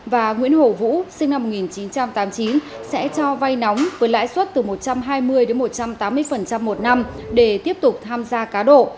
và nguyễn hổ vũ sinh năm một nghìn chín trăm tám mươi chín sẽ cho vay nóng với lãi suất từ một trăm hai mươi một trăm tám mươi một năm để tiếp tục tham gia cá độ